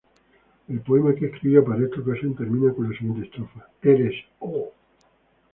El poema que escribió para esa ocasión termina con la siguiente estrofa:Eres ¡Oh!